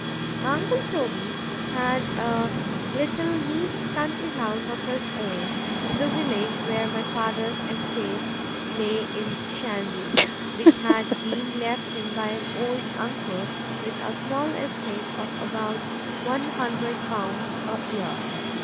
My uncle Toby had a little neat country house of his own, in the village where my father's estate lay at Shandy, which had been left him by an old uncle, with a small estate of about one hundred pounds a year.